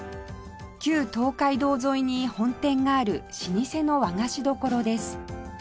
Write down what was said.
旧東海道沿いに本店がある老舗の和菓子処です